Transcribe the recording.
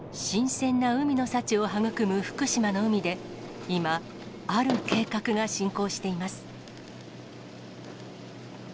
新鮮な海の幸を育む福島の海で今、ある計画が進行しています。